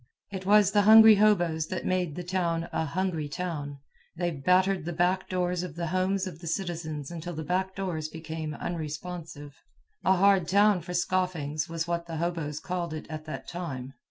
It was the hungry hoboes that made the town a "hungry" town. They "battered" the back doors of the homes of the citizens until the back doors became unresponsive. A hard town for "scoffings," was what the hoboes called it at that time.